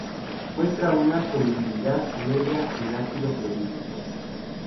Muestra una solubilidad media en ácido clorhídrico.